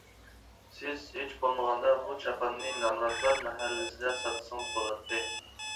سىز ھېچ بولمىغاندا بۇ چاپاننى نامراتلار مەھەللىسىدە ساتسىڭىز بولاتتى.